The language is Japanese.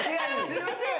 すいません！